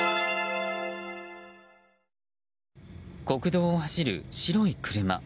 国道を走る白い車。